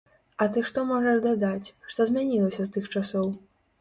А ты што можаш дадаць, што змянілася з тых часоў?